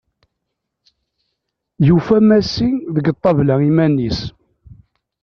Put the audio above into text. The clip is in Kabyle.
Yufa Massi deg ṭabla iman-is.